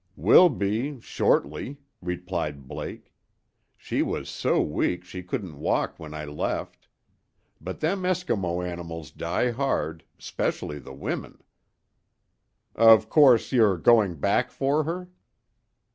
"Will be shortly," replied Blake. "She was so weak she couldn't walk when I left. But them Eskimo animals die hard, 'specially the women." "Of course you're going back for her?"